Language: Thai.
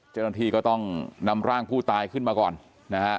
เจ้าหน้าที่ก็ต้องนำร่างผู้ตายขึ้นมาก่อนนะฮะ